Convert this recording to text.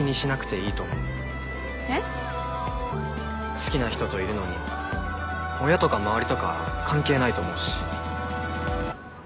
好きな人といるのに親とか周りとか関係ないと思うし。